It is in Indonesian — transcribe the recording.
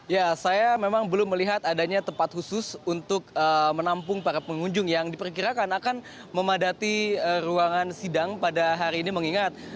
ya saya memang belum melihat adanya tempat khusus untuk menampung para pengunjung yang diperkirakan akan memadati ruangan sidang pada hari ini mengingat